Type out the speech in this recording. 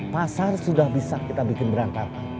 pasar sudah bisa kita bikin berangkat